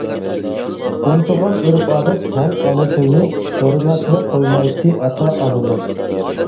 ئۇنتۇغان ئۆرپ-ئادەت ھەم ئانا تىلنى، ھۆرمەتلەپ قويمايتتى ئاتا-ئانىنى.